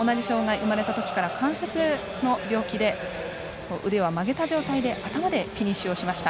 生まれたときから関節の病気で、腕を曲げた状態で頭でフィニッシュしました。